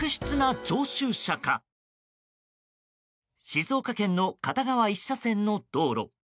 静岡県の片側１車線の道路。